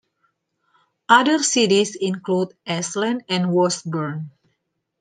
Other cities include Ashland and Washburn.